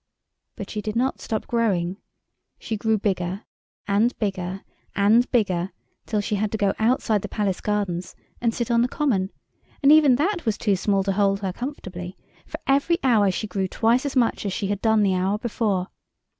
But she did not stop growing. She grew bigger and bigger and bigger, till she had to go outside the palace gardens and sit on the common, and even that was too small to hold her comfortably, for every hour she grew twice as much as she had done the hour before.